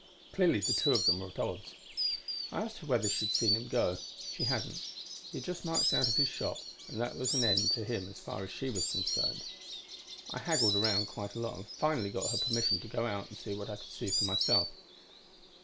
"Clearly the two of them were at odds. I asked her whether she had seen him go. She hadn't; he had just marched out to his shop and that was an end to him as far as she was concerned. "I haggled around quite a lot and finally got her permission to go out and see what I could see for myself.